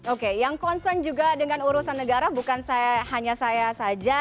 oke yang concern juga dengan urusan negara bukan hanya saya saja